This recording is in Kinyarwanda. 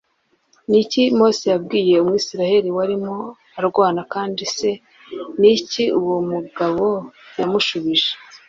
Ni iki Mose yabwiye Umwisirayeli warimo arwana kandi se ni iki uwo mugabo yamushubije